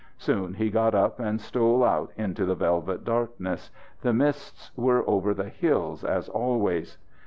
Soon he got up and stole out into the velvet darkness. The mists were over the hills as always.